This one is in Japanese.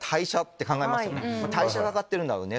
代謝が上がってるんだろう。